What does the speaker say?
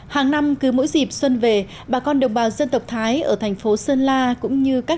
hàng năm cứ mỗi dịp xuân về bà con đồng bào dân tộc thái ở thành phố sơn la cũng như các